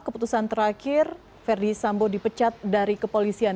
keputusan terakhir verdi sambo dipecat dari kepolisian